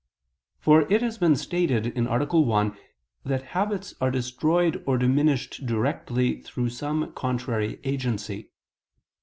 For it has been stated (A. 1) that habits are destroyed or diminished directly through some contrary agency.